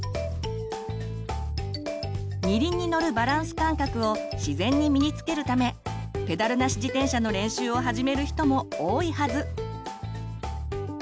「二輪」に乗るバランス感覚を自然に身につけるためペダルなし自転車の練習を始める人も多いはず。